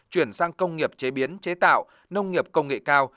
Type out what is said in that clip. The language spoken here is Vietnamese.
chuyển sang công nghiệp chế biến chế tạo nông nghiệp công nghệ cao